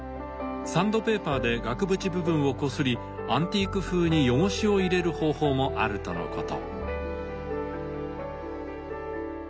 サンドペーパーで額縁部分をこすりアンティーク風に汚しを入れる方法もあるとのこと。